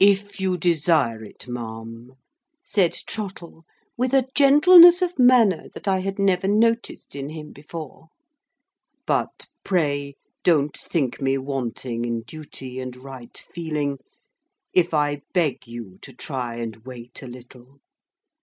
"If you desire it, ma'am," said Trottle, with a gentleness of manner that I had never noticed in him before. "But pray don't think me wanting in duty and right feeling, if I beg you to try and wait a little.